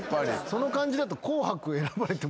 その感じだと。